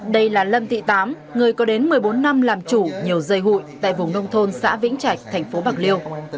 đây là lâm tị tám người có đến một mươi bốn năm làm chủ nhiều dây hụi tại vùng nông thôn xã vĩnh trạch thành phố bạc liêu